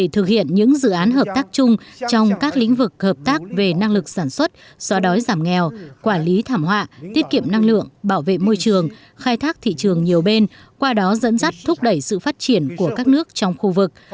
thực hiện những dự án hợp tác chung trong các lĩnh vực hợp tác về năng lực sản xuất xóa đói giảm nghèo quản lý thảm họa tiết kiệm năng lượng bảo vệ môi trường khai thác thị trường nhiều bên qua đó dẫn dắt thúc đẩy sự phát triển của các nước trong khu vực